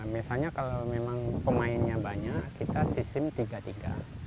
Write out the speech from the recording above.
misalnya kalau memang pemainnya banyak kita sistem tiga tiga